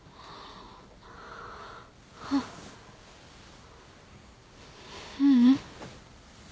あっううん。